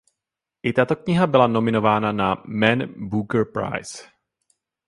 I tato kniha byla nominována na Man Booker Prize.